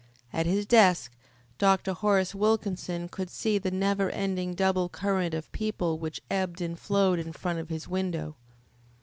At his desk, Dr. Horace Wilkinson could see the never ending double current of people which ebbed and flowed in front of his window.